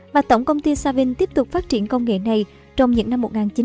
và tổng công ty savink tiếp tục phát triển công nghệ này trong những năm một nghìn chín trăm bảy mươi